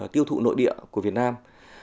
tiêu thụ nội địa của việt nam